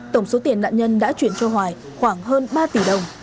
tổng số tiền nạn nhân đã chuyển cho hoài khoảng hơn ba tỷ đồng